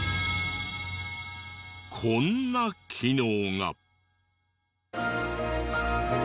こんな機能が。